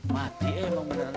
mati emang beneran